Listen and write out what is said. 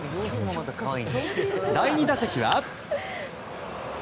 第２打席は。